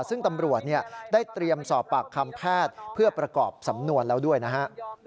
ซึ่งตำรวจได้เตรียมสอบปากคำแพทย์เพื่อประกอบสำนวนแล้วด้วยนะฮะ